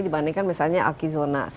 dibandingkan misalnya alki zona satu